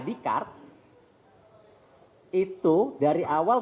itu dari awal saya sudah mengambil